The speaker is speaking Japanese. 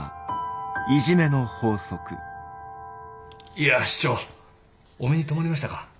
いや市長お目に留まりましたか。